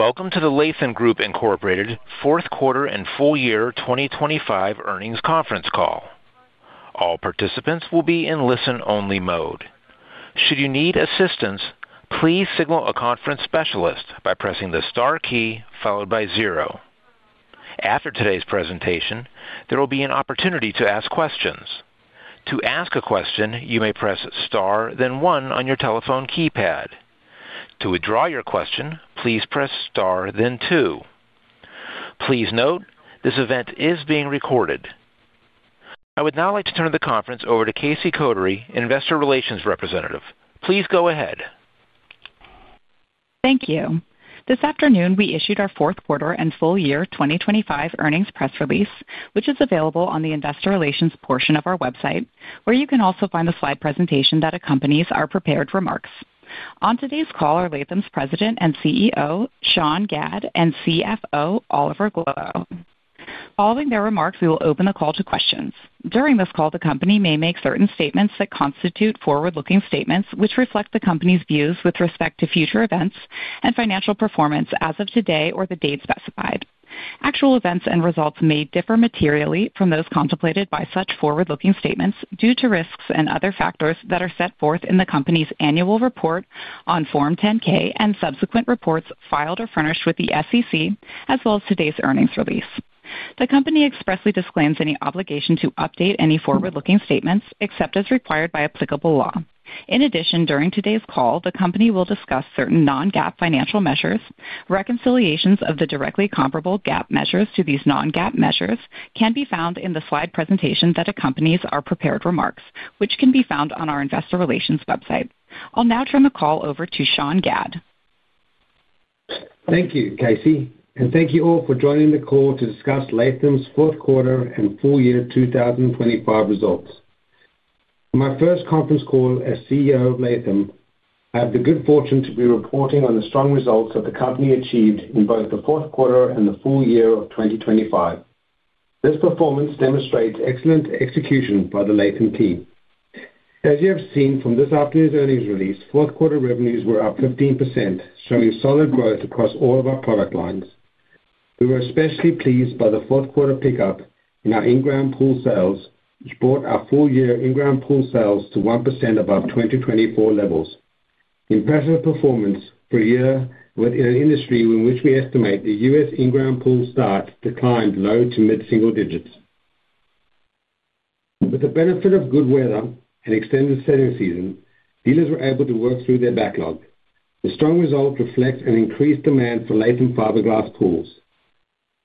Welcome to the Latham Group, Inc. Fourth Quarter and Full Year 2025 earnings conference call. All participants will be in listen-only mode. Should you need assistance, please signal a conference specialist by pressing the star key followed by zero. After today's presentation, there will be an opportunity to ask questions. To ask a question, you may press star then one on your telephone keypad. To withdraw your question, please press star then two. Please note, this event is being recorded. I would now like to turn the conference over to Casey Kotary, Investor Relations Representative. Please go ahead. Thank you. This afternoon we issued our fourth quarter and full year 2025 earnings press release, which is available on the investor relations portion of our website, where you can also find the slide presentation that accompanies our prepared remarks. On today's call are Latham's President and CEO, Sean Gadd, and CFO, Oliver Gloe. Following their remarks, we will open the call to questions. During this call, the company may make certain statements that constitute forward-looking statements, which reflect the company's views with respect to future events and financial performance as of today or the date specified. Actual events and results may differ materially from those contemplated by such forward-looking statements due to risks and other factors that are set forth in the company's annual report on Form 10-K and subsequent reports filed or furnished with the SEC, as well as today's earnings release. The company expressly disclaims any obligation to update any forward-looking statements except as required by applicable law. In addition, during today's call, the company will discuss certain non-GAAP financial measures. Reconciliations of the directly comparable GAAP measures to these non-GAAP measures can be found in the slide presentation that accompanies our prepared remarks, which can be found on our investor relations website. I'll now turn the call over to Sean Gadd. Thank you, Casey, thank you all for joining the call to discuss Latham's fourth quarter and full year 2025 results. My first conference call as CEO of Latham, I have the good fortune to be reporting on the strong results that the company achieved in both the fourth quarter and the full year of 2025. This performance demonstrates excellent execution by the Latham team. As you have seen from this afternoon's earnings release, fourth quarter revenues were up 15%, showing solid growth across all of our product lines. We were especially pleased by the fourth quarter pickup in our in-ground pool sales, which brought our full year in-ground pool sales to 1% above 2024 levels. Impressive performance for a year with an industry in which we estimate the U.S. in-ground pool start declined low to mid-single digits. With the benefit of good weather and extended selling season, dealers were able to work through their backlog. The strong result reflects an increased demand for Latham Fiberglass pools.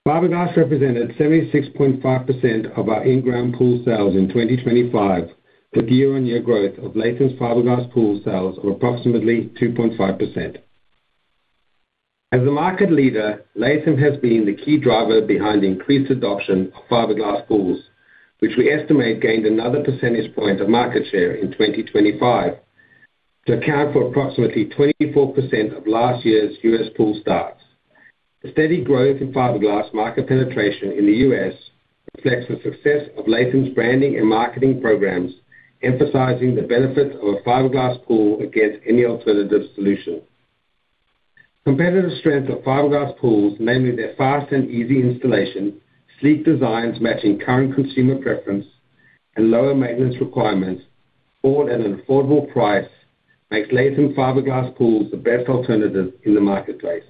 Fiberglass represented 76.5% of our in-ground pool sales in 2025, with year-on-year growth of Latham's Fiberglass pool sales of approximately 2.5%. As a market leader, Latham has been the key driver behind the increased adoption of Fiberglass pools, which we estimate gained another percentage point of market share in 2025 to account for approximately 24% of last year's U.S. pool starts. The steady growth in Fiberglass market penetration in the U.S. reflects the success of Latham's branding and marketing programs, emphasizing the benefits of a Fiberglass pool against any alternative solution. Competitive strength of Fiberglass pools, namely their fast and easy installation, sleek designs matching current consumer preference, and lower maintenance requirements, all at an affordable price, makes Latham Fiberglass pools the best alternative in the marketplace.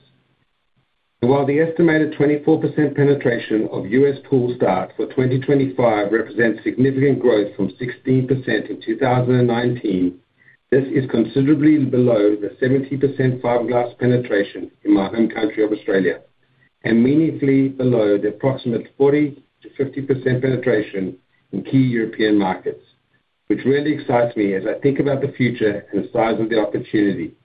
While the estimated 24% penetration of U.S. pool starts for 2025 represents significant growth from 16% in 2019, this is considerably below the 70% Fiberglass penetration in my home country of Australia and meaningfully below the approximate 40%-50% penetration in key European markets, which really excites me as I think about the future and the size of the opportunity.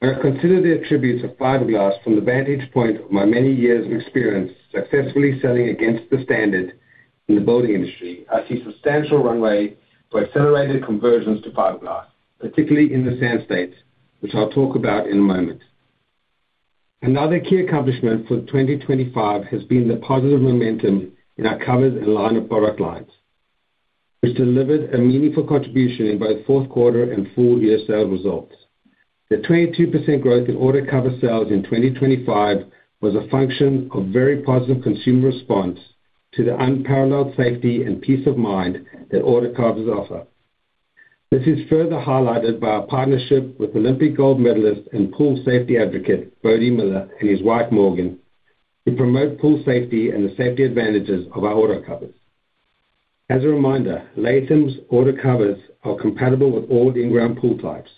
When I consider the attributes of Fiberglass from the vantage point of my many years of experience successfully selling against the standard in the boating industry, I see substantial runway for accelerated conversions to Fiberglass, particularly in the Sand States, which I'll talk about in a moment. Another key accomplishment for 2025 has been the positive momentum in our covers and liner product lines, which delivered a meaningful contribution in both fourth quarter and full year sales results. The 22% growth in auto cover sales in 2025 was a function of very positive consumer response to the unparalleled safety and peace of mind that auto covers offer. This is further highlighted by our partnership with Olympic gold medalist and pool safety advocate, Bode Miller, and his wife, Morgan, to promote pool safety and the safety advantages of our auto covers. As a reminder, Latham's auto covers are compatible with all the in-ground pool types,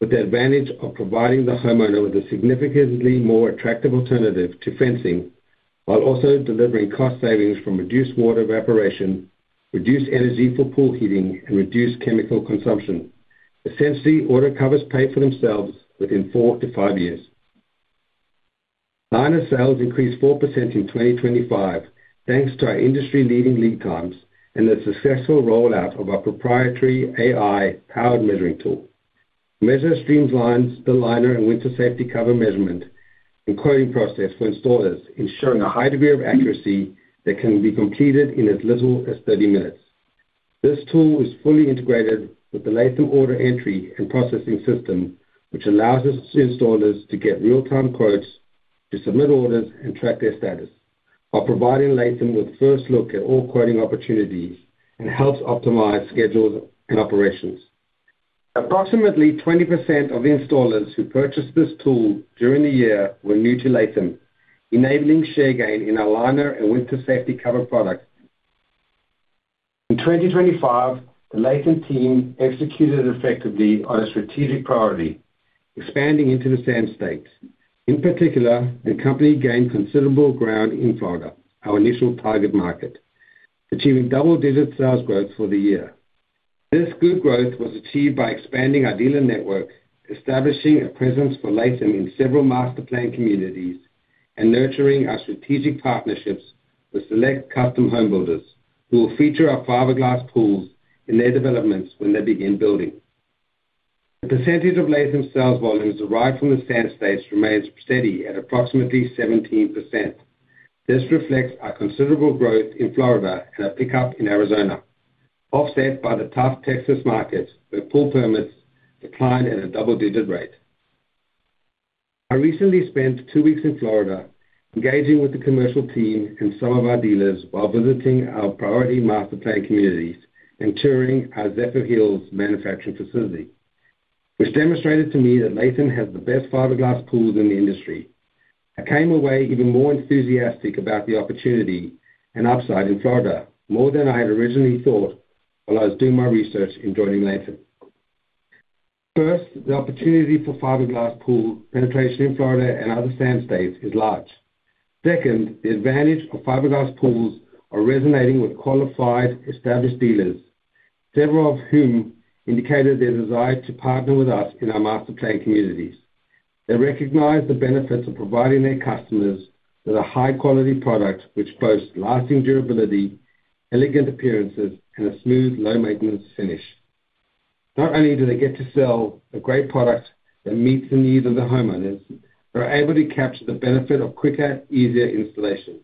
with the advantage of providing the homeowner with a significantly more attractive alternative to fencing, while also delivering cost savings from reduced water evaporation, reduced energy for pool heating, and reduced chemical consumption. Essentially, auto covers pay for themselves within four-five years. Liner sales increased 4% in 2025, thanks to our industry-leading lead times and the successful rollout of our proprietary AI-powered measuring tool. Measure streamlines the liner and Winter Safety Covers measurement and coding process for installers, ensuring a high degree of accuracy that can be completed in as little as 30 minutes. This tool is fully integrated with the Latham order entry and processing system, which allows us to see installers to get real-time quotes, to submit orders, and track their status while providing Latham with first look at all quoting opportunities and helps optimize schedules and operations. Approximately 20% of installers who purchased this tool during the year were new to Latham, enabling share gain in our liner and Winter Safety Covers product. In 2025, the Latham team executed effectively on a strategic priority, expanding into the sand states. In particular, the company gained considerable ground in Florida, our initial target market, achieving double-digit sales growth for the year. This good growth was achieved by expanding our dealer network, establishing a presence for Latham in several Master-Planned Communities, and nurturing our strategic partnerships with select custom home builders who will feature our Fiberglass pools in their developments when they begin building. The percentage of Latham sales volumes derived from the sand states remains steady at approximately 17%. This reflects our considerable growth in Florida and a pickup in Arizona, offset by the tough Texas market, where pool permits declined at a double-digit rate. I recently spent two weeks in Florida engaging with the commercial team and some of our dealers while visiting our priority Master Plan Communities and touring our Zephyrhills manufacturing facility, which demonstrated to me that Latham has the best Fiberglass pools in the industry. I came away even more enthusiastic about the opportunity and upside in Florida, more than I had originally thought while I was doing my research in joining Latham. First, the opportunity for Fiberglass pool penetration in Florida and other sand states is large. Second, the advantage of Fiberglass pools are resonating with qualified, established dealers, several of whom indicated their desire to partner with us in our Master-Planned Communities. They recognize the benefits of providing their customers with a high-quality product which boasts lasting durability, elegant appearances, and a smooth, low-maintenance finish. Not only do they get to sell a great product that meets the needs of the homeowners, they're able to capture the benefit of quicker, easier installation.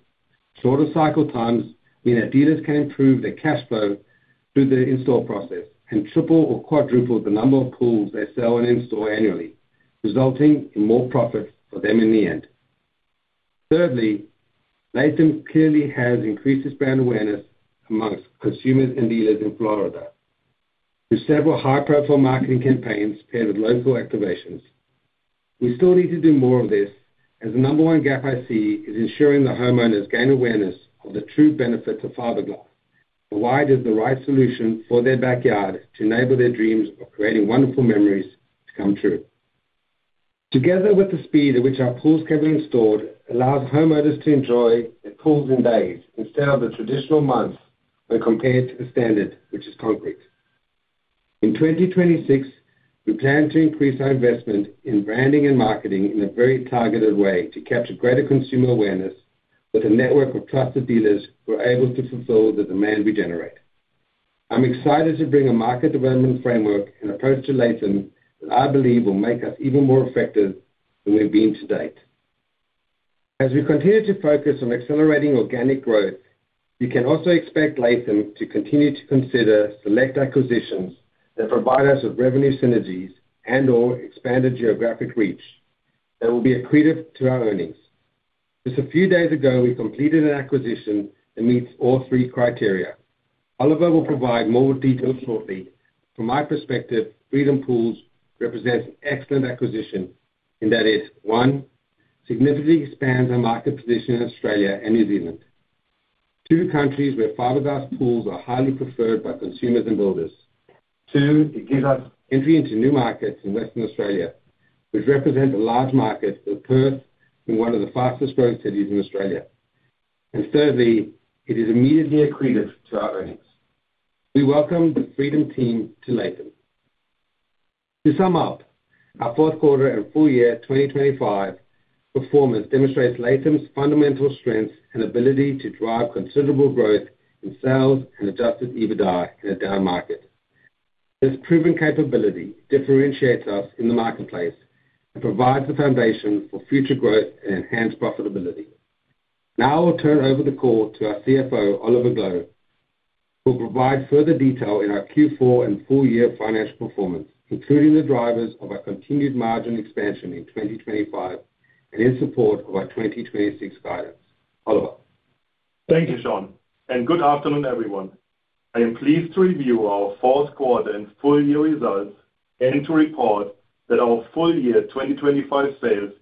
Shorter cycle times mean that dealers can improve their cash flow through the install process and triple or quadruple the number of pools they sell and install annually, resulting in more profits for them in the end. Thirdly, Latham clearly has increased its brand awareness amongst consumers and dealers in Florida through several high-profile marketing campaigns paired with local activations. We still need to do more of this, as the number one gap I see is ensuring that homeowners gain awareness of the true benefits of Fiberglass, and why it is the right solution for their backyard to enable their dreams of creating wonderful memories to come true. Together with the speed at which our pools can be installed allows homeowners to enjoy their pools in days instead of the traditional months when compared to the standard, which is concrete. In 2026, we plan to increase our investment in branding and marketing in a very targeted way to capture greater consumer awareness with a network of trusted dealers who are able to fulfill the demand we generate. I'm excited to bring a market development framework and approach to Latham that I believe will make us even more effective than we've been to date. We continue to focus on accelerating organic growth, you can also expect Latham to continue to consider select acquisitions that provide us with revenue synergies and/or expanded geographic reach that will be accretive to our earnings. Just a few days ago, we completed an acquisition that meets all three criteria. Oliver will provide more details shortly. From my perspective, Freedom Pools represents an excellent acquisition in that it, one, significantly expands our market position in Australia and New Zealand. Two countries where Fiberglass pools are highly preferred by consumers and builders. Two, it gives us entry into new markets in Western Australia, which represent a large market of Perth in one of the fastest-growing cities in Australia. Thirdly, it is immediately accretive to our earnings. We welcome the Freedom team to Latham. To sum up, our fourth quarter and full year 2025 performance demonstrates Latham's fundamental strengths and ability to drive considerable growth in sales and Adjusted EBITDA in a down market. This proven capability differentiates us in the marketplace and provides the foundation for future growth and enhanced profitability. I'll turn over the call to our CFO, Oliver Gloe, who will provide further detail in our Q4 and full year financial performance, including the drivers of our continued margin expansion in 2025 and in support of our 2026 guidance. Oliver? Thank you, Sean, and good afternoon, everyone. I am pleased to review our fourth quarter and full year results and to report that our full year 2025 sales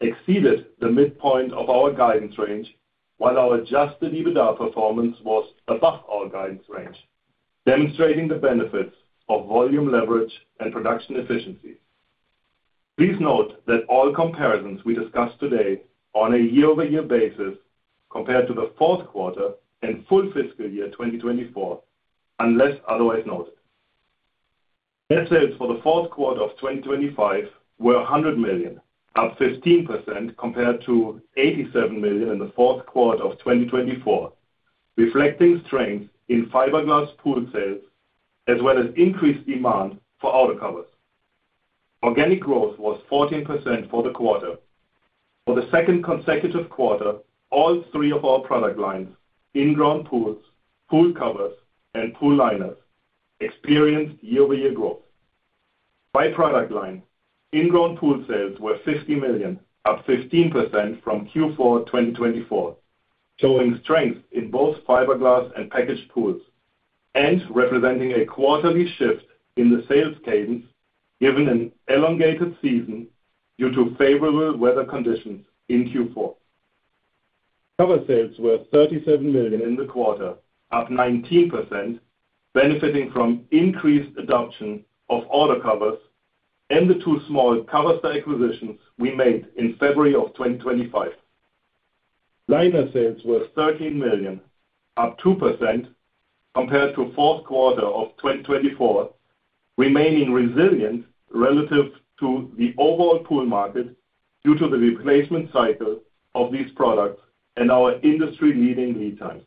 exceeded the midpoint of our guidance range, while our Adjusted EBITDA performance was above our guidance range, demonstrating the benefits of volume leverage and production efficiency. Please note that all comparisons we discuss today are on a year-over-year basis compared to the fourth quarter and full fiscal year 2024, unless otherwise noted. Net sales for the fourth quarter of 2025 were $100 million, up 15% compared to $87 million in the fourth quarter of 2024, reflecting strength in Fiberglass pool sales as well as increased demand for auto covers. Organic growth was 14% for the quarter. For the second consecutive quarter, all three of our product lines, in-ground pools, pool covers, and pool liners, experienced year-over-year growth. By product line, in-ground pool sales were $50 million, up 15% from Q4 2024, showing strength in both fiberglass and packaged pools, and representing a quarterly shift in the sales cadence given an elongated season due to favorable weather conditions in Q4. Cover sales were $37 million in the quarter, up 19%, benefiting from increased adoption of auto covers and the two small Coverstar acquisitions we made in February 2025. Liner sales were $13 million, up 2% compared to fourth quarter of 2024, remaining resilient relative to the overall pool market due to the replacement cycle of these products and our industry-leading lead times.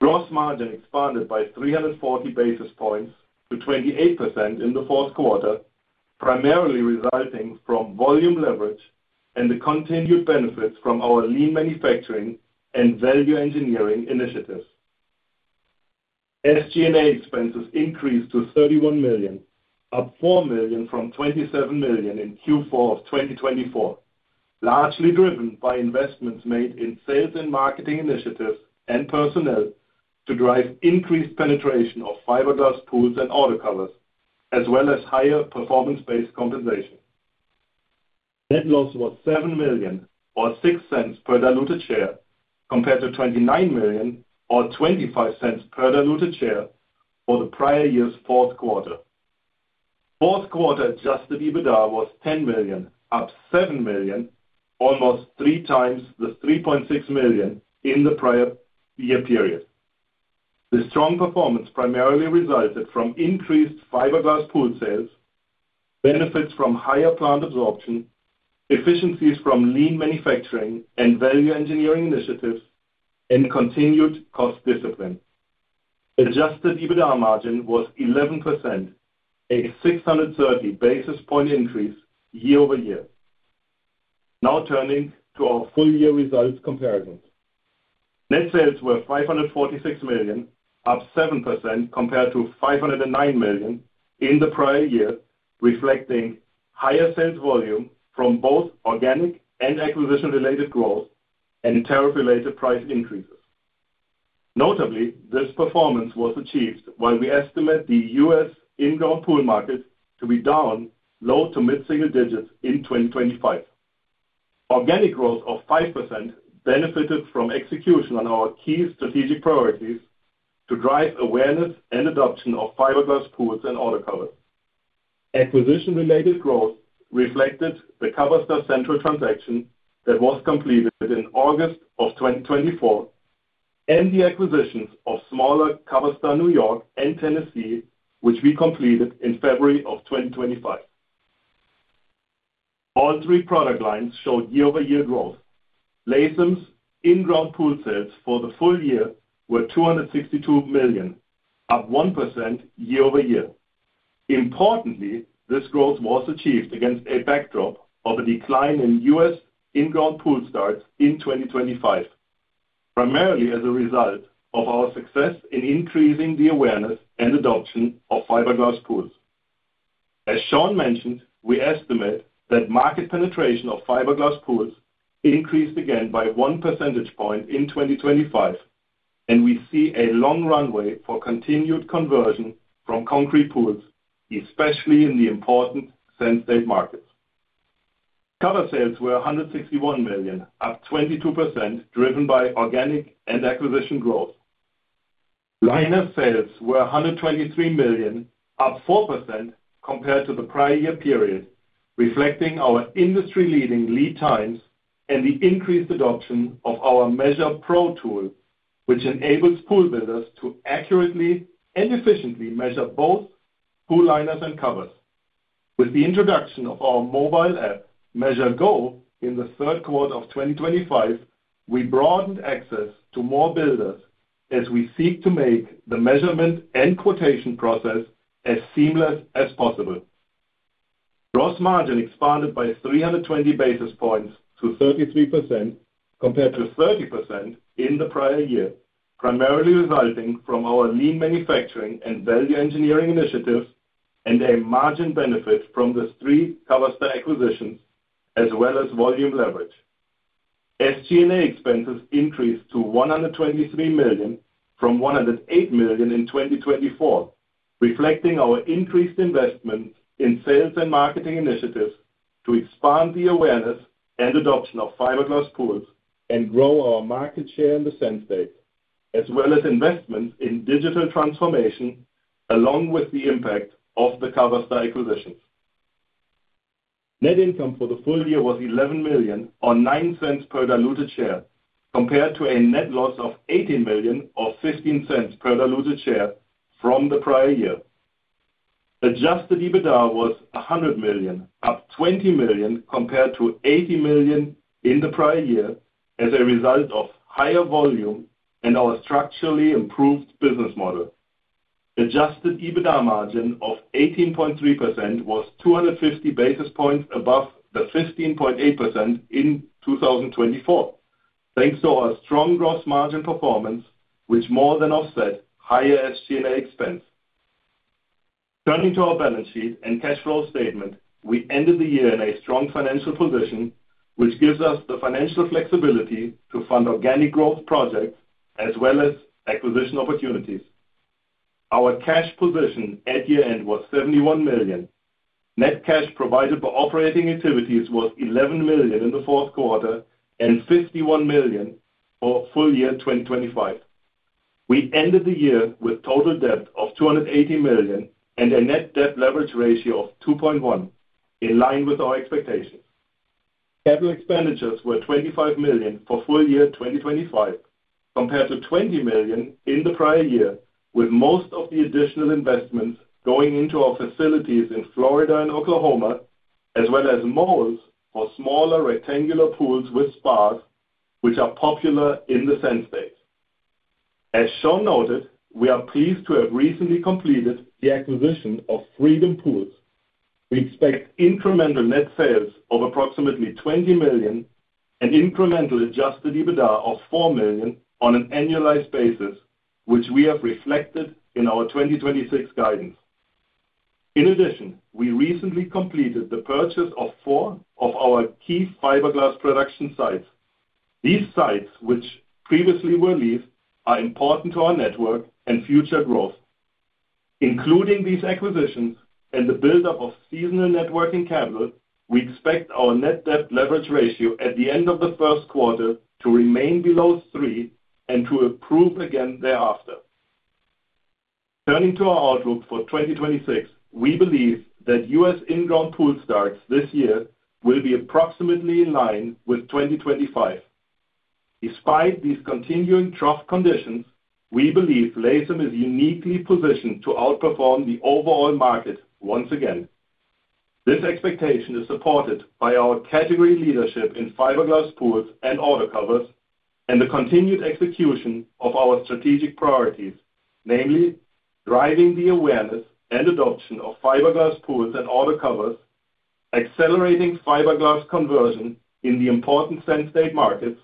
Gross margin expanded by 340 basis points to 28% in the fourth quarter, primarily resulting from volume leverage and the continued benefits from our lean manufacturing and value engineering initiatives. SG&A expenses increased to $31 million, up $4 million from $27 million in Q4 of 2024, largely driven by investments made in sales and marketing initiatives and personnel to drive increased penetration of Fiberglass pools and auto covers, as well as higher performance-based compensation. Net loss was $7 million or $0.06 per diluted share, compared to $29 million or $0.25 per diluted share for the prior year's fourth quarter. Fourth quarter Adjusted EBITDA was $10 million, up $7 million, almost 3x the $3.6 million in the prior year period. The strong performance primarily resulted from increased Fiberglass pool sales, benefits from higher plant absorption, efficiencies from lean manufacturing and value engineering initiatives, and continued cost discipline. Adjusted EBITDA margin was 11%, a 630-basis point increase year-over-year. Turning to our full-year results comparisons. Net sales were $546 million, up 7% compared to $509 million in the prior year, reflecting higher sales volume from both organic and acquisition-related growth and tariff-related price increases. Notably, this performance was achieved while we estimate the U.S. in-ground pool market to be down low to mid-single digits in 2025. Organic growth of 5% benefited from execution on our key strategic priorities to drive awareness and adoption of Fiberglass pools and auto covers. Acquisition-related growth reflected the Coverstar Central transaction that was completed in August of 2024 and the acquisitions of smaller Coverstar New York and Tennessee, which we completed in February of 2025. All three product lines showed year-over-year growth. Latham's in-ground pool sales for the full year were $262 million, up 1% year-over-year. Importantly, this growth was achieved against a backdrop of a decline in U.S. in-ground pool starts in 2025, primarily as a result of our success in increasing the awareness and adoption of Fiberglass pools. As Sean mentioned, we estimate that market penetration of Fiberglass pools increased again by one percentage point in 2025, and we see a long runway for continued conversion from concrete pools, especially in the important SunState markets. Cover sales were $161 million, up 22%, driven by organic and acquisition growth. Liner sales were $123 million, up 4% compared to the prior year period, reflecting our industry-leading lead times and the increased adoption of our Measure Pro tool, which enables pool builders to accurately and efficiently measure both pool liners and covers. With the introduction of our mobile app, Measure Go, in the third quarter of 2025, we broadened access to more builders as we seek to make the measurement and quotation process as seamless as possible. Gross margin expanded by 320 basis points to 33% compared to 30% in the prior year, primarily resulting from our lean manufacturing and value engineering initiatives and a margin benefit from the three Coverstar acquisitions as well as volume leverage. SG&A expenses increased to $123 million from $108 million in 2024, reflecting our increased investment in sales and marketing initiatives to expand the awareness and adoption of Fiberglass pools and grow our market share in the SunState, as well as investments in digital transformation along with the impact of the Coverstar acquisitions. Net income for the full year was $11 million or $0.09 per diluted share, compared to a net loss of $18 million or $0.15 per diluted share from the prior year. Adjusted EBITDA was $100 million, up $20 million compared to $80 million in the prior year. Our structurally improved business model. Adjusted EBITDA margin of 18.3% was 250 basis points above the 15.8% in 2024, thanks to our strong gross margin performance, which more than offset higher SG&A expense. Turning to our balance sheet and cash flow statement. We ended the year in a strong financial position, which gives us the financial flexibility to fund organic growth projects as well as acquisition opportunities. Our cash position at year-end was $71 million. Net cash provided by operating activities was $11 million in the fourth quarter and $51 million for full year 2025. We ended the year with total debt of $280 million, and a net debt leverage ratio of 2.1, in line with our expectations. Capital expenditures were $25 million for full year 2025, compared to $20 million in the prior year, with most of the additional investments going into our facilities in Florida and Oklahoma, as well as molds for smaller rectangular pools with spas, which are popular in the Sand States. As Sean noted, we are pleased to have recently completed the acquisition of Freedom Pools. We expect incremental net sales of approximately $20 million and incremental Adjusted EBITDA of $4 million on an annualized basis, which we have reflected in our 2026 guidance. In addition, we recently completed the purchase of four of our key Fiberglass production sites. These sites, which previously were leased, are important to our network and future growth. Including these acquisitions and the buildup of seasonal networking capital, we expect our net debt leverage ratio at the end of the first quarter to remain below three and to improve again thereafter. Turning to our outlook for 2026. We believe that US inground pool starts this year will be approximately in line with 2025. Despite these continuing trough conditions, we believe Latham is uniquely positioned to outperform the overall market once again. This expectation is supported by our category leadership in fiberglass pools and auto covers, and the continued execution of our strategic priorities, namely driving the awareness and adoption of fiberglass pools and auto covers, accelerating fiberglass conversion in the important Sand State markets,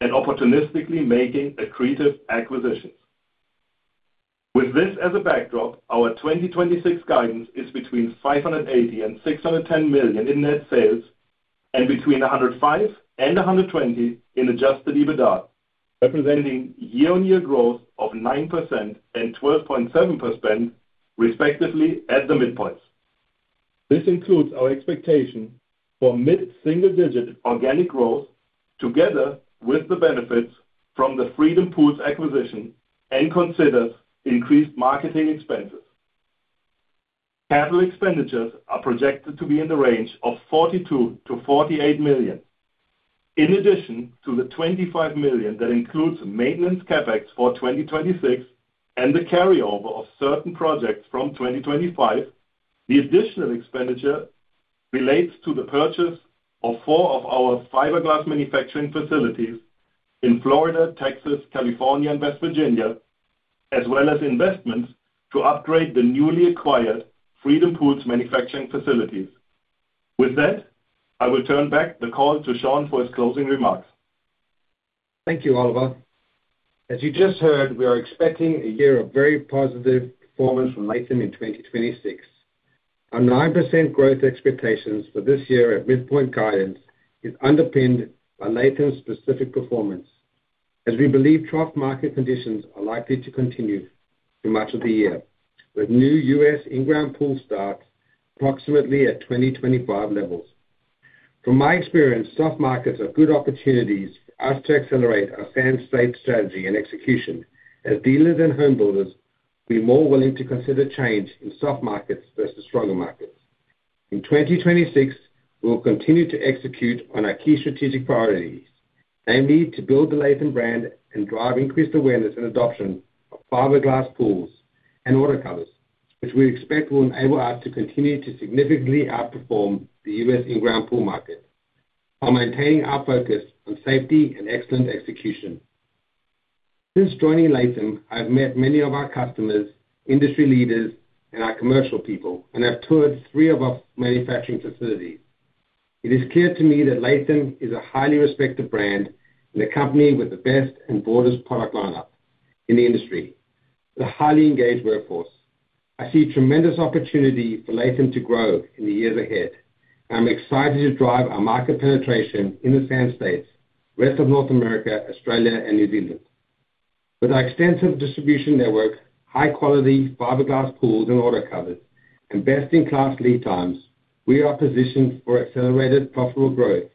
and opportunistically making accretive acquisitions. With this as a backdrop, our 2026 guidance is between $580 million and $610 million in net sales, and between $105 million and $120 million in Adjusted EBITDA, representing year-on-year growth of 9% and 12.7% respectively at the midpoints. This includes our expectation for mid-single digit organic growth together with the benefits from the Freedom Pools acquisition and considers increased marketing expenses. Capital expenditures are projected to be in the range of $42 million-$48 million. In addition to the $25 million that includes maintenance CapEx for 2026 and the carryover of certain projects from 2025, the additional expenditure relates to the purchase of four of our fiberglass manufacturing facilities in Florida, Texas, California, and West Virginia, as well as investments to upgrade the newly acquired Freedom Pools manufacturing facilities. With that, I will turn back the call to Sean for his closing remarks. Thank you, Oliver. As you just heard, we are expecting a year of very positive performance from Latham in 2026. Our 9% growth expectations for this year at midpoint guidance is underpinned by Latham's specific performance, as we believe trough market conditions are likely to continue through much of the year, with new U.S. in-ground pool starts approximately at 2025 levels. From my experience, soft markets are good opportunities for us to accelerate our Sand State strategy and execution, as dealers and home builders will be more willing to consider change in soft markets versus stronger markets. In 2026, we will continue to execute on our key strategic priorities, namely to build the Latham brand and drive increased awareness and adoption of Fiberglass pools and auto covers, which we expect will enable us to continue to significantly outperform the U.S. in-ground pool market, while maintaining our focus on safety and excellent execution. Since joining Latham, I've met many of our customers, industry leaders, and our commercial people, and have toured three of our manufacturing facilities. It is clear to me that Latham is a highly respected brand and a company with the best and broadest product lineup in the industry, with a highly engaged workforce. I see tremendous opportunity for Latham to grow in the years ahead. I'm excited to drive our market penetration in the Sand States, rest of North America, Australia, and New Zealand. With our extensive distribution network, high quality Fiberglass pools and Auto covers, and best-in-class lead times, we are positioned for accelerated profitable growth,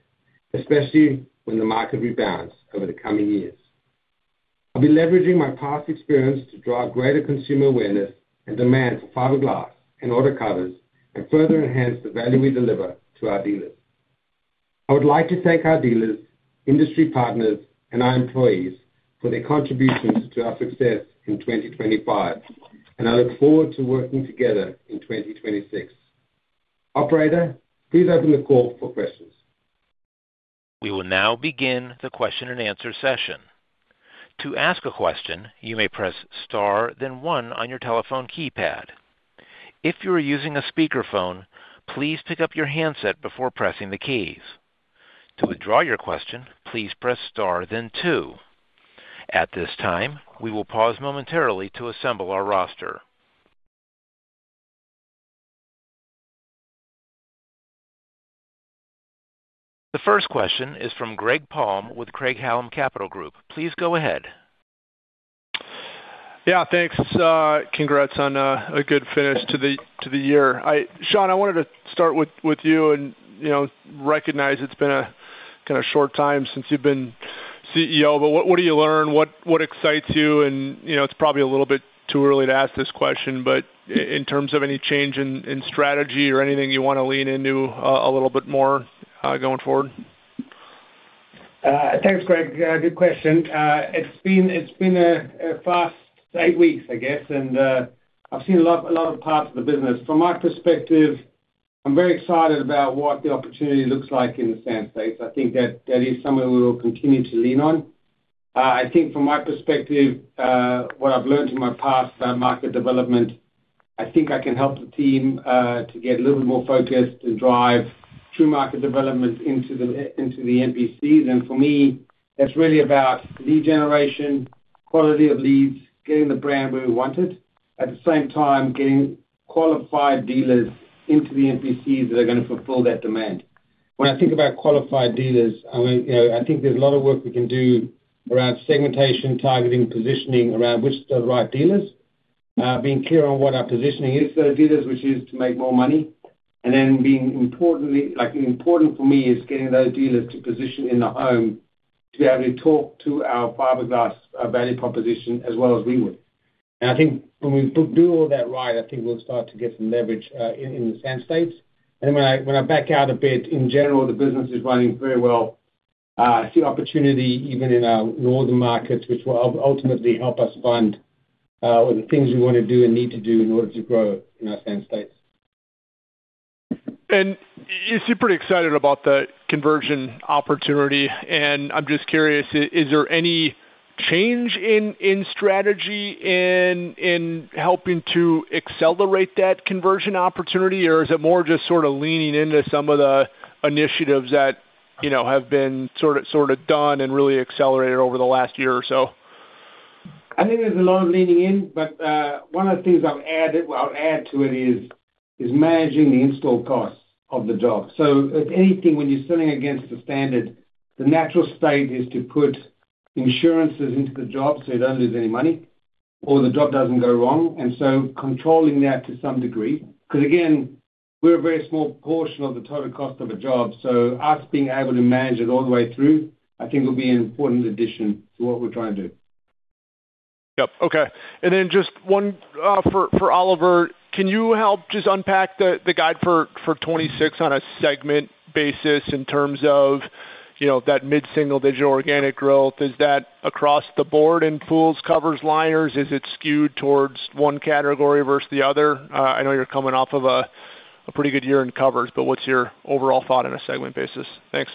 especially when the market rebounds over the coming years. I'll be leveraging my past experience to drive greater consumer awareness and demand for Fiberglass and Auto covers and further enhance the value we deliver to our dealers. I would like to thank our dealers, industry partners, and our employees for their contributions to our success in 2025, and I look forward to working together in 2026. Operator, please open the call for questions. We will now begin the question-and-answer session. To ask a question, you may press star then one on your telephone keypad. If you are using a speakerphone, please pick up your handset before pressing the keys. To withdraw your question, please press star then two. At this time, we will pause momentarily to assemble our roster. The first question is from Greg Palm with Craig-Hallum Capital Group. Please go ahead. Thanks. Congrats on a good finish to the year. Sean, I wanted to start with you and, you know, recognize it's been a kinda short time since you've been CEO, but what do you learn? What excites you? You know, it's probably a little bit too early to ask this question, but in terms of any change in strategy or anything you wanna lean into a little bit more going forward. Thanks, Greg. Good question. It's been a fast eight weeks, I guess, and I've seen a lot of parts of the business. From my perspective, I'm very excited about what the opportunity looks like in the Sand States. I think that is somewhere we will continue to lean on. I think from my perspective, what I've learned in my past about market development, I think I can help the team to get a little bit more focused and drive true market development into the NPCs. For me, that's really about lead generation, quality of leads, getting the brand where we want it. At the same time, getting qualified dealers into the NPCs that are gonna fulfill that demand. When I think about qualified dealers, I mean, you know, I think there's a lot of work we can do around segmentation, targeting, positioning around which are the right dealers. Being clear on what our positioning is for those dealers, which is to make more money. Then being like important for me is getting those dealers to position in the home to be able to talk to our Fiberglass value proposition as well as we would. I think when we do all that right, I think we'll start to get some leverage in the Sand States. When I, when I back out a bit, in general, the business is running very well. I see opportunity even in our northern markets, which will ultimately help us fund the things we wanna do and need to do in order to grow in our Sand States. You seem pretty excited about the conversion opportunity. I'm just curious, is there any change in strategy in helping to accelerate that conversion opportunity? Is it more just sorta leaning into some of the initiatives that, you know, have been sorta done and really accelerated over the last year or so? I think there's a lot of leaning in, but one of the things I'll add to it is managing the install costs of the job. If anything, when you're selling against a standard, the natural state is to put insurances into the job, so you don't lose any money, or the job doesn't go wrong. Controlling that to some degree, cause again, we're a very small portion of the total cost of a job, so us being able to manage it all the way through, I think will be an important addition to what we're trying to do. Yep. Okay. Then just one for Oliver. Can you help just unpack the guide for 2026 on a segment basis in terms of, you know, that mid-single digit organic growth? Is that across the board in pools, covers, liners? Is it skewed towards one category versus the other? I know you're coming off of a pretty good year in covers, but what's your overall thought on a segment basis? Thanks.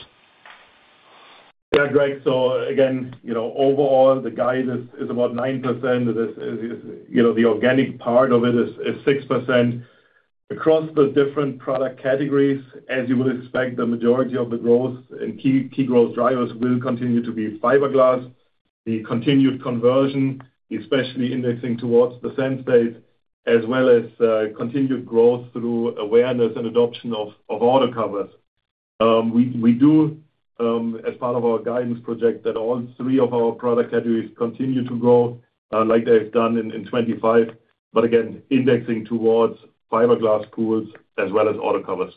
Yeah, Greg. Again, you know, overall, the guidance is about 9%. This is, you know, the organic part of it is 6%. Across the different product categories, as you would expect, the majority of the growth and key growth drivers will continue to be Fiberglass. The continued conversion, especially indexing towards the Sand States, as well as continued growth through awareness and adoption of auto covers. We do, as part of our guidance project that all three of our product categories continue to grow, like they've done in 2025, but again, indexing towards Fiberglass pools as well as auto covers.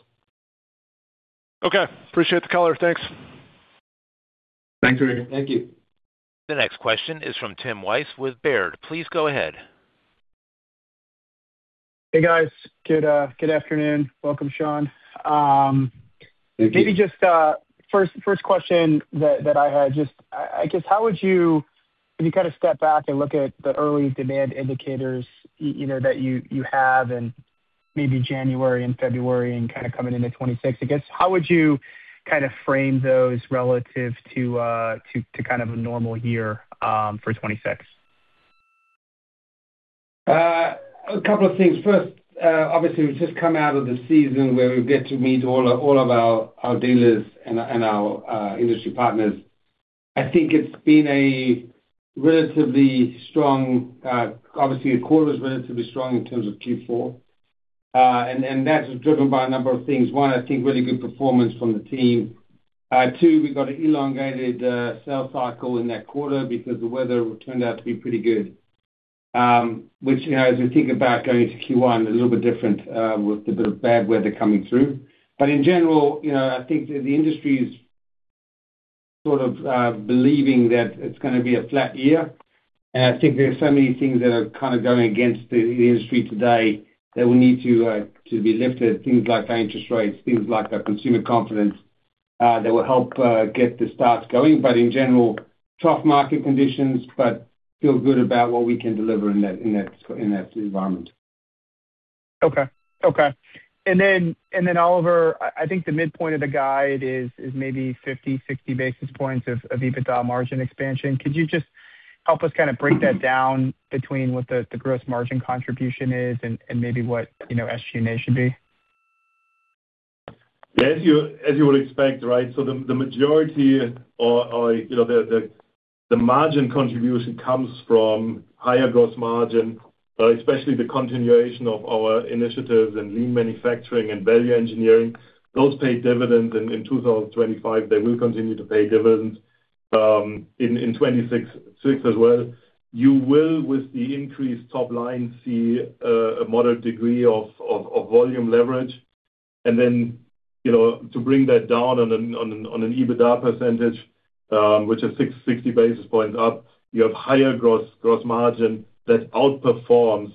Okay. Appreciate the color. Thanks. Thanks, Greg. Thank you. The next question is from Tim Weiss with Baird. Please go ahead. Hey, guys. Good, good afternoon. Welcome, Sean. Thank you. Maybe just, first question that I had, I guess how would you, if you kinda step back and look at the early demand indicators, you know, that you have in maybe January and February and kinda coming into 2026, I guess how would you kinda frame those relative to kind of a normal year, for 2026? A couple of things. First, obviously, we've just come out of the season where we get to meet all of our dealers and our industry partners. I think it's been a relatively strong, obviously, the quarter was relatively strong in terms of Q4. That's driven by a number of things. One, I think really good performance from the team. Two, we got an elongated sales cycle in that quarter because the weather turned out to be pretty good. Which, you know, as we think about going into Q1, a little bit different, with the bit of bad weather coming through. In general, you know, I think the industry is sort of believing that it's gonna be a flat year. I think there are so many things that are kinda going against the industry today that will need to be lifted, things like interest rates, things like consumer confidence. That will help get the starts going. In general, tough market conditions, but feel good about what we can deliver in that environment. Okay. Okay. Oliver, I think the midpoint of the guide is maybe 50, 60 basis points of EBITDA margin expansion. Could you just help us kind of break that down between what the gross margin contribution is and maybe what, you know, SG&A should be? Yeah. As you would expect, right? The majority or, you know, the margin contribution comes from higher gross margin, especially the continuation of our initiatives in lean manufacturing and value engineering. Those paid dividends in 2025. They will continue to pay dividends in 2026 as well. You will, with the increased top line, see a moderate degree of volume leverage. you know, to bring that down on an EBITDA percentage, which is 660 basis points up, you have higher gross margin that outperforms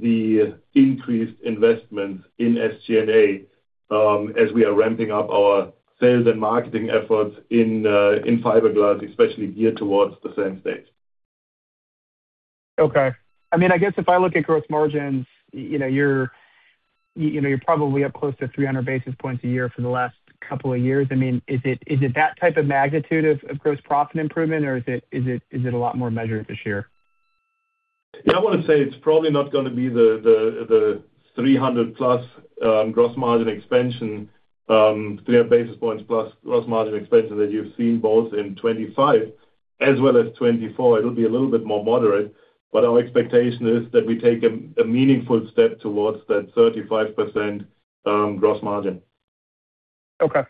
the increased investment in SG&A, as we are ramping up our sales and marketing efforts in Fiberglass, especially geared towards the sand states. Okay. I mean, I guess if I look at gross margins, you know, you're, you know, you're probably up close to 300 basis points a year for the last couple of years. I mean, is it that type of magnitude of gross profit improvement or is it a lot more measured this year? I wanna say it's probably not gonna be the 300+ gross margin expansion, 300+ basis points gross margin expansion that you've seen both in 2025 as well as 2024. It will be a little bit more moderate. Our expectation is that we take a meaningful step towards that 35% gross margin. Okay.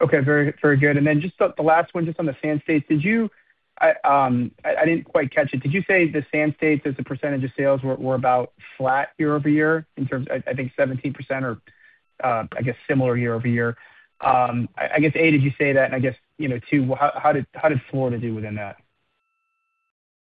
Okay, very, very good. Just the last one just on the sand states. I didn't quite catch it. Did you say the sand states as a percentage of sales were about flat year-over-year, in terms I think 17% or, I guess similar year-over-year? I guess, A, did you say that? I guess, you know, two, how did Florida do within that?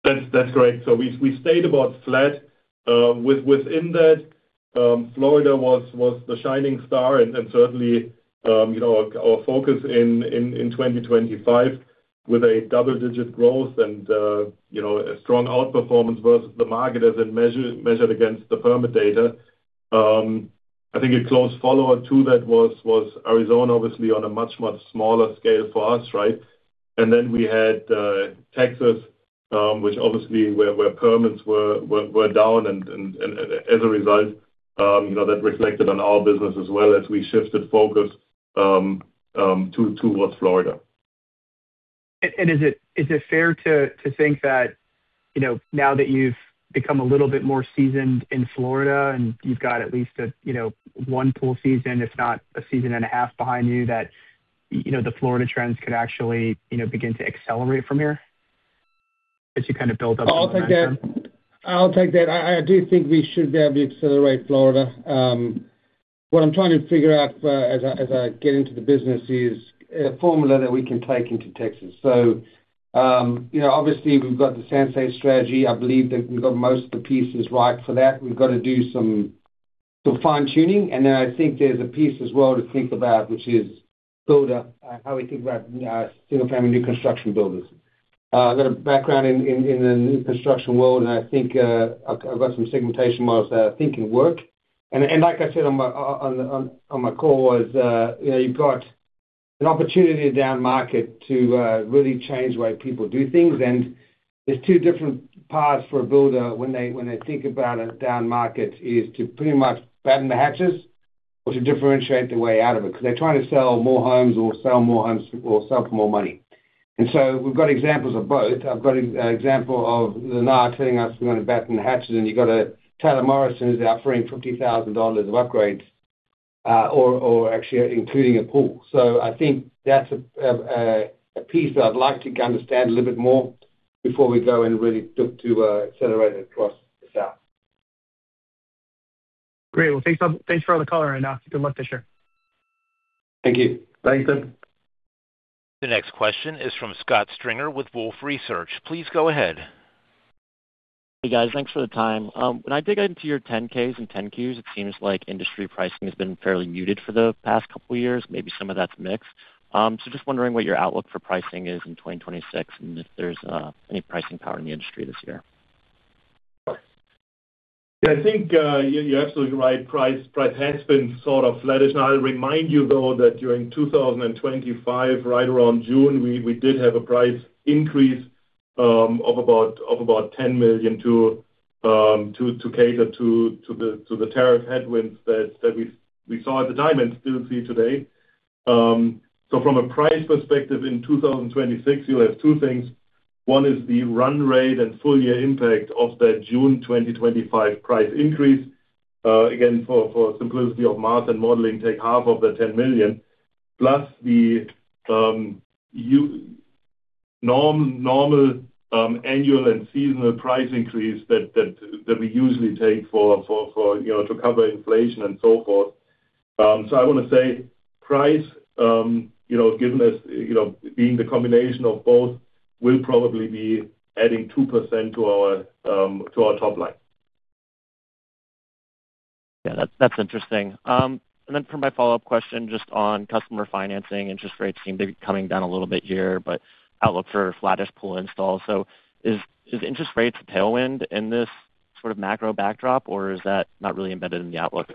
That's right. We stayed about flat. Within that, Florida was the shining star and certainly, you know, our focus in 2025 with a double-digit growth and, you know, a strong outperformance versus the market as it measured against the permit data. I think a close follower to that was Arizona, obviously on a much smaller scale for us, right? Then we had Texas, which obviously where permits were down and as a result, you know, that reflected on our business as well as we shifted focus towards Florida. Is it fair to think that, you know, now that you've become a little bit more seasoned in Florida and you've got at least a, you know, 1 pool season, if not a season and a half behind you, that, you know, the Florida trends could actually, you know, begin to accelerate from here as you kind of build up? I'll take that. I do think we should be able to accelerate Florida. What I'm trying to figure out as I get into the business is a formula that we can take into Texas. You know, obviously we've got the sand state strategy. I believe that we've got most of the pieces right for that. We've got to do some fine-tuning, and then I think there's a piece as well to think about, which is builder, how we think about single family new construction builders. I've got a background in the new construction world, and I think I've got some segmentation models that I think can work. Like I said on my call was, you know, you've got an opportunity down market to really change the way people do things. There's two different paths for a builder when they think about a down market, is to pretty much batten the hatches or to differentiate their way out of it, 'cause they're trying to sell more homes or sell more homes or sell for more money. We've got examples of both. I've got example of Lennar telling us we're gonna batten the hatches, and you've got Taylor Morrison who's offering $50,000 of upgrades, or actually including a pool. I think that's a piece that I'd like to understand a little bit more before we go and really look to accelerate it across the South. Great. Well, thanks for all the color right now. Good luck this year. Thank you. Thanks, Tim. The next question is from Scott Schrier with Wolfe Research. Please go ahead. Hey, guys. Thanks for the time. When I dig into your 10-Ks and 10-Qs, it seems like industry pricing has been fairly muted for the past couple of years, maybe some of that's mixed. So just wondering what your outlook for pricing is in 2026, and if there's any pricing power in the industry this year. Yeah, I think, you're absolutely right. Price has been sort of flattish. I'll remind you though that during 2025, right around June, we did have a price increase of about $10 million to cater to the tariff headwinds that we saw at the time and still see today. From a price perspective in 2026, you have two things. One is the run rate and full year impact of that June 2025 price increase. Again, for simplicity of math and modeling, take half of the $10 million plus the normal annual and seasonal price increase that we usually take for, you know, to cover inflation and so forth. I wanna say price, you know, given us, you know, being the combination of both will probably be adding 2% to our top line. Yeah, that's interesting. Then for my follow-up question, just on customer financing, interest rates seem to be coming down a little bit here, but outlook for flattish pool installs. Is interest rates a tailwind in this sort of macro backdrop, or is that not really embedded in the outlook?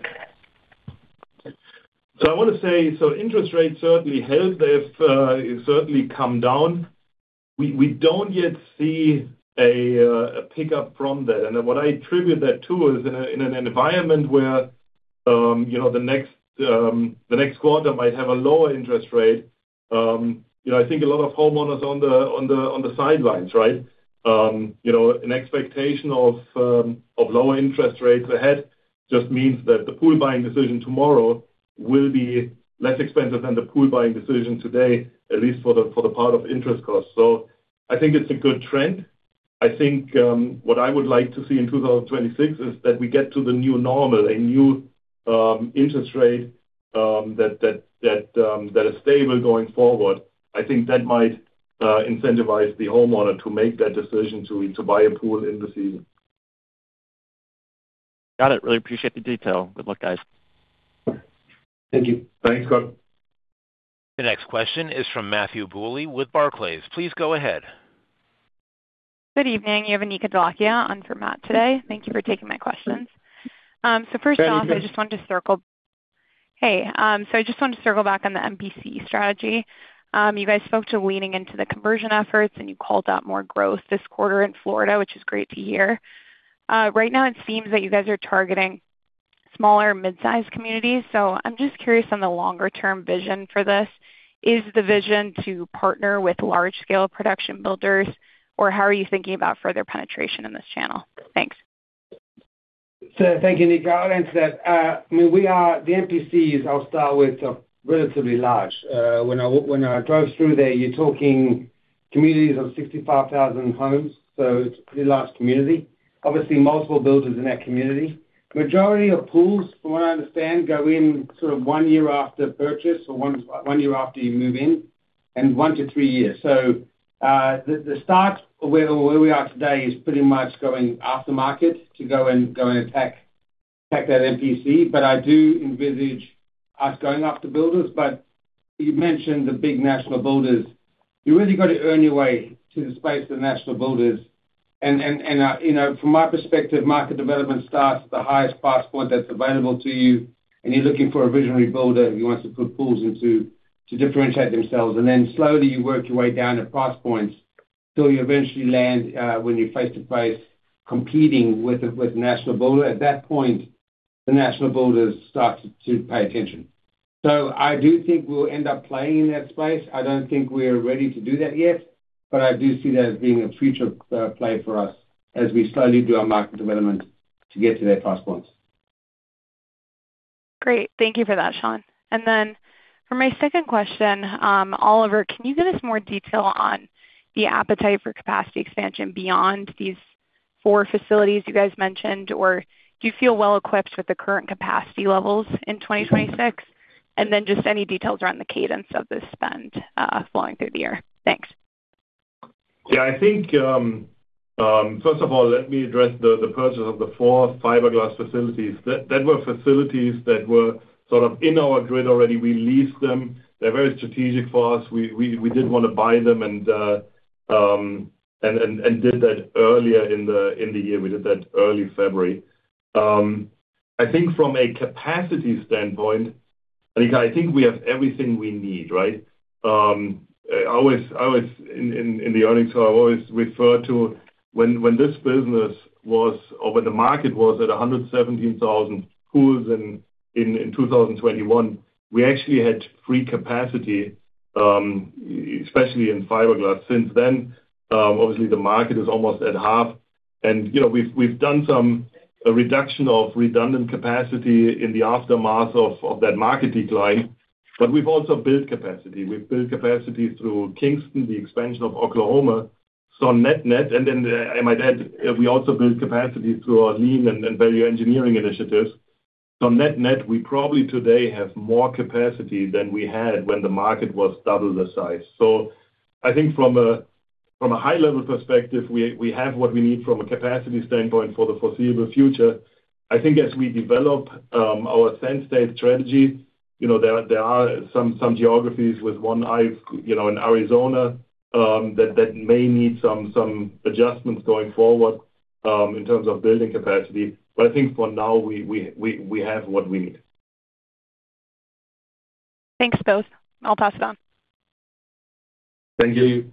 I want to say, interest rates certainly help. They've certainly come down. We don't yet see a pickup from that. What I attribute that to is in an environment where, you know, the next quarter might have a lower interest rate, you know, I think a lot of homeowners on the sidelines, right? You know, an expectation of lower interest rates ahead just means that the pool buying decision tomorrow will be less expensive than the pool buying decision today, at least for the part of interest costs. I think it's a good trend. I think, what I would like to see in 2026 is that we get to the new normal, a new, interest rate, that is stable going forward. I think that might incentivize the homeowner to make that decision to buy a pool in the season. Got it. Really appreciate the detail. Good luck, guys. Thank you. Thanks, Scott. The next question is from Matthew Bouley with Barclays. Please go ahead. Good evening. You have Anika Dholakia on for Matt today. Thank you for taking my questions. Hey, Anika. First off, I just wanted to circle back on the MPC strategy. You guys spoke to leaning into the conversion efforts, you called out more growth this quarter in Florida, which is great to hear. Right now, it seems that you guys are targeting smaller mid-size communities. I'm just curious on the longer-term vision for this. Is the vision to partner with large scale production builders, or how are you thinking about further penetration in this channel? Thanks. Thank you, Anika. I'll answer that. I mean, the MPCs I'll start with are relatively large. When I drove through there, you're talking communities of 65,000 homes, so it's a pretty large community. Obviously, multiple builders in that community. Majority of pools, from what I understand, go in sort of one year after purchase or one year after you move in, and one-three years. The start where we are today is pretty much going after market to go and attack that MPC. I do envisage us going after builders. You mentioned the big national builders. You really got to earn your way to the space of the national builders. You know, from my perspective, market development starts at the highest price point that's available to you, and you're looking for a visionary builder who wants to put pools in to differentiate themselves. Slowly you work your way down to price points till you eventually land when you're face to face competing with the national builder. At that point, the national builders start to pay attention. I do think we'll end up playing in that space. I don't think we're ready to do that yet, but I do see that as being a future play for us as we slowly do our market development to get to their price points. Great. Thank you for that, Sean. For my second question, Oliver, can you give us more detail on the appetite for capacity expansion beyond these four facilities you guys mentioned? Do you feel well equipped with the current capacity levels in 2026? Just any details around the cadence of the spend flowing through the year. Thanks. Yeah, I think, first of all, let me address the purchase of the 4 fiberglass facilities. That were facilities that were sort of in our grid already. We leased them. They're very strategic for us. We did wanna buy them and did that earlier in the year. We did that early February. I think from a capacity standpoint, Anika, I think we have everything we need, right? I always, in the earnings call, I've always referred to when this business was or when the market was at 117,000 pools in 2021, we actually had free capacity, especially in fiberglass. Since then, obviously the market is almost at half. You know, we've done some, a reduction of redundant capacity in the aftermath of that market decline, but we've also built capacity. We've built capacity through Kingston, the expansion of Oklahoma. Net-net, and then, I might add, we also build capacity through our lean and value engineering initiatives. Net-net, we probably today have more capacity than we had when the market was double the size. I think from a high-level perspective, we have what we need from a capacity standpoint for the foreseeable future. I think as we develop our Sense date strategy, you know, there are some geographies with one eye, you know, in Arizona, that may need some adjustments going forward in terms of building capacity. I think for now, we have what we need. Thanks, both. I'll pass it on. Thank you.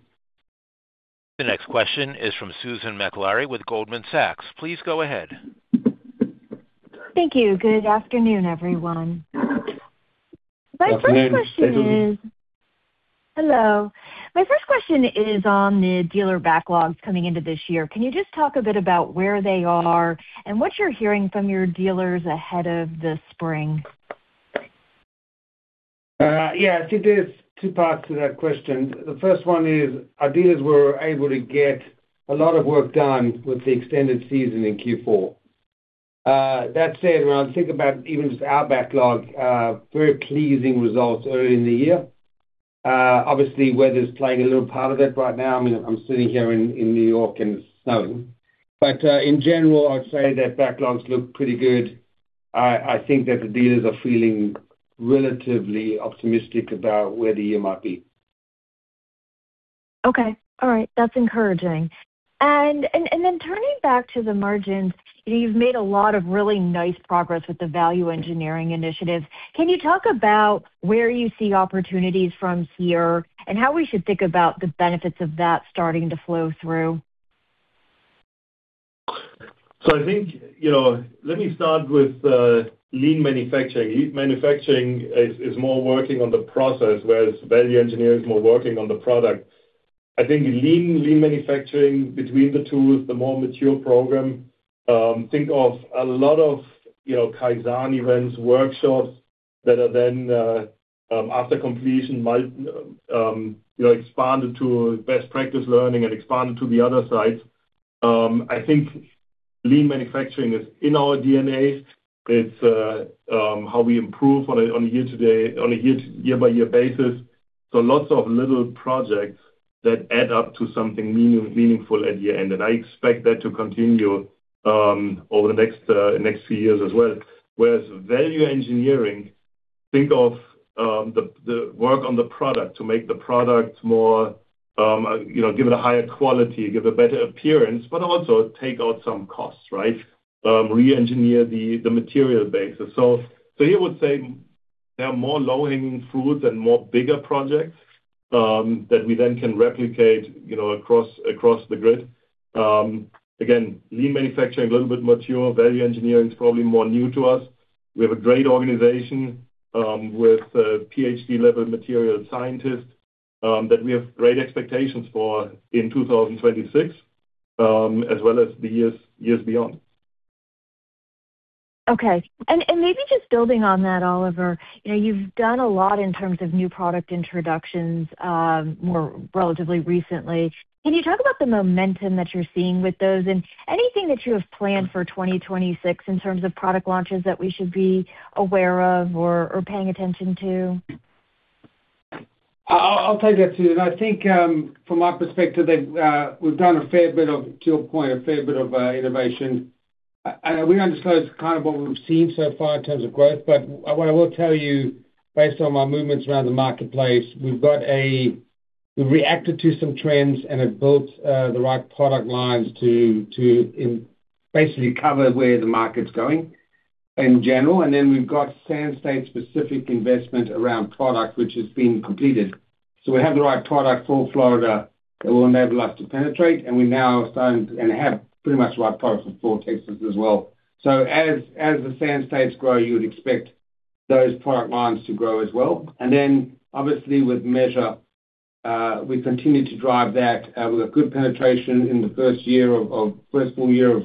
The next question is from Susan Maklari with Goldman Sachs. Please go ahead. Thank you. Good afternoon, everyone. Good afternoon. Hello. My first question is on the dealer backlogs coming into this year. Can you just talk a bit about where they are and what you're hearing from your dealers ahead of the spring? Yeah. I think there's two parts to that question. The first one is our dealers were able to get a lot of work done with the extended season in Q4. That said, around think about even just our backlog, very pleasing results early in the year. Obviously, weather's playing a little part of it right now. I mean, I'm sitting here in New York, and it's snowing. In general, I'd say that backlogs look pretty good. I think that the dealers are feeling relatively optimistic about where the year might be. Okay. All right. That's encouraging. Then turning back to the margins, you've made a lot of really nice progress with the value engineering initiative. Can you talk about where you see opportunities from here and how we should think about the benefits of that starting to flow through? I think, you know, let me start with lean manufacturing. Lean manufacturing is more working on the process, whereas value engineering is more working on the product. I think lean manufacturing between the two is the more mature program. Think of a lot of, you know, Kaizen events, workshops that are then after completion might, you know, expanded to best practice learning and expanded to the other sites. I think lean manufacturing is in our DNA. It's how we improve on a year-by-year basis. Lots of little projects that add up to something meaningful at year-end. I expect that to continue over the next few years as well. Whereas value engineering, think of the work on the product to make the product more, you know, give it a higher quality, give a better appearance, but also take out some costs, right? Re-engineer the material basis. Here I would say there are more low-hanging fruits and more bigger projects that we then can replicate, you know, across the grid. Again, lean manufacturing, a little bit mature. Value engineering is probably more new to us. We have a great organization with PhD level material scientists that we have great expectations for in 2026 as well as the years beyond. Okay. And maybe just building on that, Oliver, you know, you've done a lot in terms of new product introductions, more relatively recently. Can you talk about the momentum that you're seeing with those? Anything that you have planned for 2026 in terms of product launches that we should be aware of or paying attention to? I'll take that too. I think, from my perspective, they've done a fair bit of, to your point, a fair bit of innovation. We understand it's kind of what we've seen so far in terms of growth. What I will tell you, based on my movements around the marketplace, we've reacted to some trends and have built the right product lines to basically cover where the market's going in general. Then we've got sand stage-specific investment around product, which has been completed. We have the right product for Florida that will enable us to penetrate, and we now are starting to and have pretty much the right products for Texas as well. As the sand states grow, you would expect those product lines to grow as well. Obviously with Measure, we continue to drive that. We have good penetration in the first full year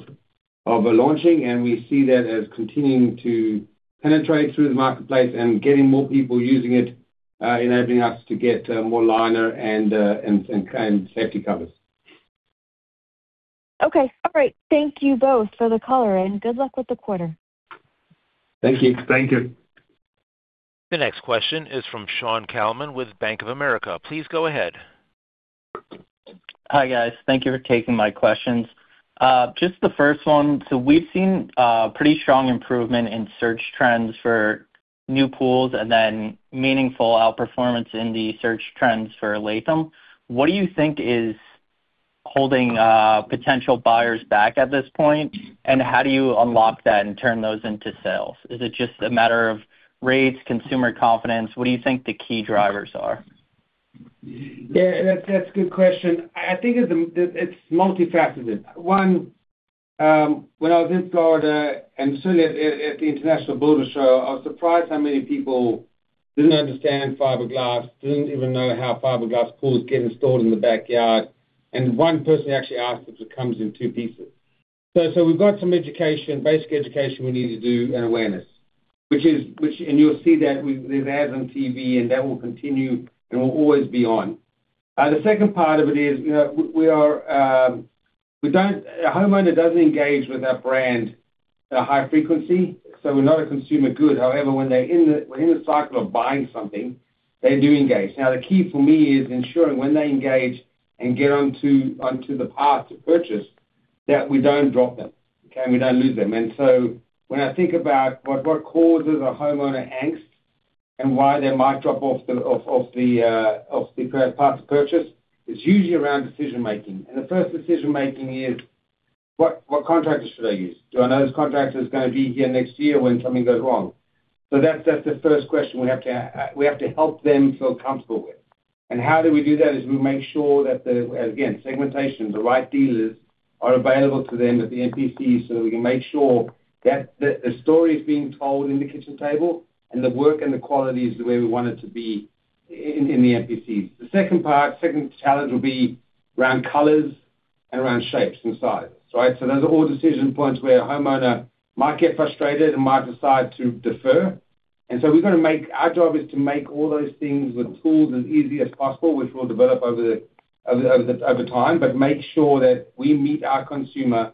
of launching, and we see that as continuing to penetrate through the marketplace and getting more people using it, enabling us to get more liner and safety covers. Okay. All right. Thank you both for the color, and good luck with the quarter. Thank you. Thank you. The next question is from Sean Callan with Bank of America. Please go ahead. Hi, guys. Thank you for taking my questions. Just the first one. We've seen pretty strong improvement in search trends for new pools and then meaningful outperformance in the search trends for Latham. What do you think is holding potential buyers back at this point? How do you unlock that and turn those into sales? Is it just a matter of rates, consumer confidence? What do you think the key drivers are? Yeah, that's a good question. I think it's multifactorial. One, when I was in Florida and sitting at the International Builders' Show, I was surprised how many people didn't understand Fiberglass, didn't even know how Fiberglass pools get installed in the backyard. One person actually asked if it comes in two pieces. We've got some education, basic education we need to do, and awareness. You'll see that with the ads on TV, and that will continue, and we'll always be on. The second part of it is, you know, we are, a homeowner doesn't engage with our brand at a high frequency, so we're not a consumer good. When we're in the cycle of buying something, they do engage. Now, the key for me is ensuring when they engage and get onto the path to purchase, that we don't drop them, okay? We don't lose them. When I think about what causes a homeowner angst and why they might drop off the path to purchase, it's usually around decision-making. The first decision-making is what contractors should I use? Do I know this contractor is gonna be here next year when something goes wrong? That's the first question we have to help them feel comfortable with. How do we do that is we make sure that the, again, segmentation, the right dealers are available to them at the MPC so that we can make sure that the story is being told in the kitchen table and the work and the quality is the way we want it to be in the MPCs. The second part, second challenge will be around colors and around shapes and sizes, right? Those are all decision points where a homeowner might get frustrated and might decide to defer. We've got to make our job is to make all those things with tools as easy as possible, which we'll develop over time, but make sure that we meet our consumer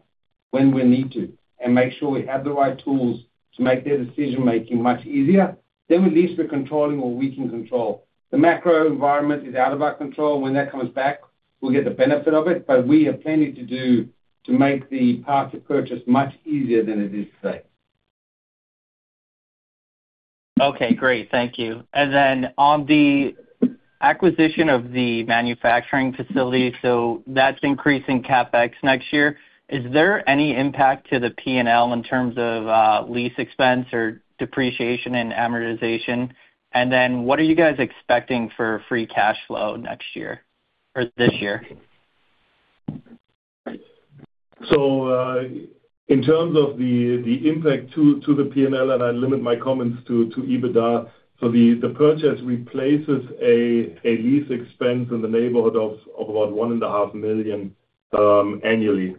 when we need to, and make sure we have the right tools to make their decision-making much easier. At least we're controlling what we can control. The macro environment is out of our control. When that comes back, we'll get the benefit of it, but we have plenty to do to make the path to purchase much easier than it is today. Okay, great. Thank you. On the acquisition of the manufacturing facility, that's increasing CapEx next year. Is there any impact to the P&L in terms of lease expense or depreciation and amortization? What are you guys expecting for free cash flow next year or this year? In terms of the impact to the P&L, and I limit my comments to EBITDA. The purchase replaces a lease expense in the neighborhood of about one and a half million annually.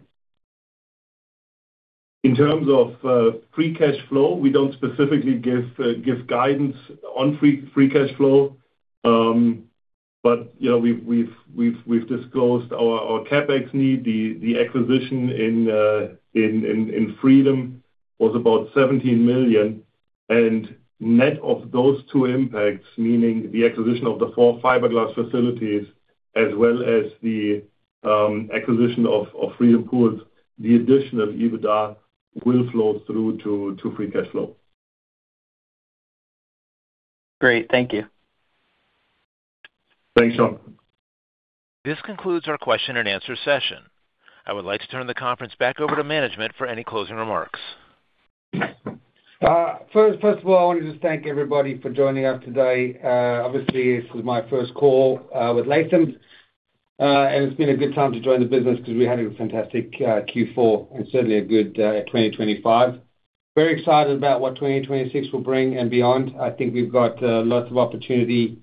In terms of free cash flow, we don't specifically give guidance on free cash flow. But, you know, we've disclosed our CapEx need. The acquisition in Freedom was about $17 million. Net of those two impacts, meaning the acquisition of the four Fiberglass facilities as well as the acquisition of Freedom Pools, the additional EBITDA will flow through to free cash flow. Great. Thank you. Thanks, Sean. This concludes our question-and-answer session. I would like to turn the conference back over to management for any closing remarks. First of all, I wanted to thank everybody for joining us today. Obviously, this is my first call with Latham, and it's been a good time to join the business because we're having a fantastic Q4 and certainly a good 2025. Very excited about what 2026 will bring and beyond. I think we've got lots of opportunity,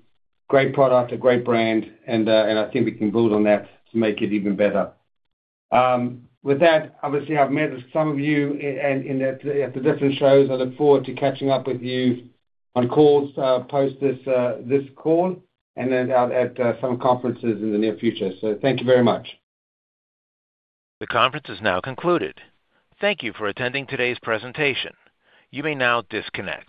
great product, a great brand, and I think we can build on that to make it even better. With that, obviously, I've met some of you and at the different shows. I look forward to catching up with you on calls post this call and then out at some conferences in the near future. Thank you very much. The conference is now concluded. Thank You for attending today's presentation. You may now disconnect.